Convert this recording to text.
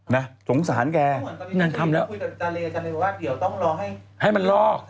ได้สงสารแกงั้นทำแล้วให้มันลอก